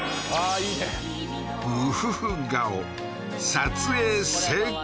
いいねムフフ顔撮影成功